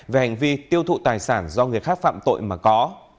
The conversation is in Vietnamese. về hành vi tiêu thụ tài sản do người khác phạm tội mà có